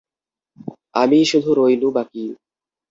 আমিই শুধু রৈনু বাকি।